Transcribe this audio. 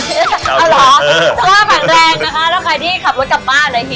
เอาหรอสุขภาพแข็งแรงนะคะแล้วใครที่ขับรถกลับบ้านนะครับ